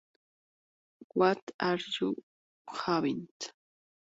What Are You Having?